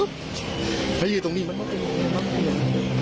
มันอยู่ตรงนี้มันต้องเปลี่ยน